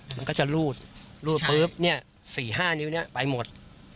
มันก็จะรูดรูดปุ๊บเนี่ย๔๕นิ้วนี้ไปหมด